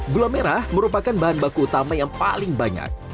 gula merah merupakan bahan baku utama yang paling banyak